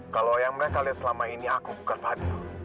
kalau yang mereka lihat selama ini aku bukan fadil